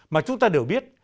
mà chúng ta đều biết